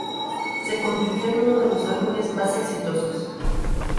Se convirtió en uno de los álbumes más exitosos.